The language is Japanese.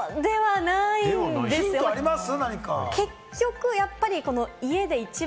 ヒントあります？